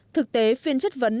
thực tế phiên chất vấn